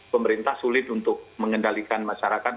pemerintah sulit untuk mengendalikan masyarakat